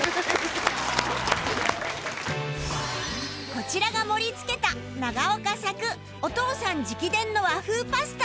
こちらが盛り付けた永岡作お父さん直伝の和風パスタ